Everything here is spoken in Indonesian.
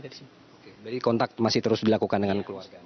jadi kontak masih terus dilakukan dengan keluarga